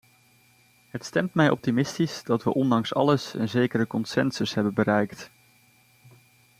Het stemt mij optimistisch dat wij ondanks alles een zekere consensus hebben bereikt.